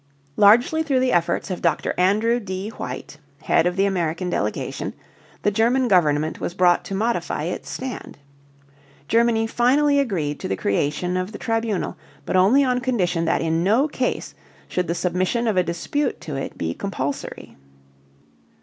Largely through the efforts of Mr. Andrew D. White, head of the American delegation, the German government was brought to modify its stand. Germany finally agreed to the creation of the tribunal, but only on condition that in no case should the submission of a dispute to it be compulsory.